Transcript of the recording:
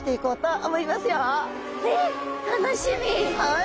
はい！